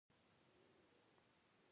نفاق د دښمن کار دی